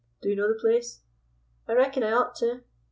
Do you know the place?" "I reckon I ought to."